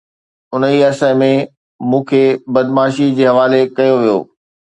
انهيءَ عرصي ۾ مون کي بدعاشمي جي حوالي ڪيو ويو